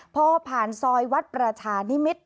พอผ่านซอยวัดประชานิมิตร